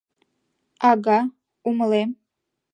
А-га, умылем.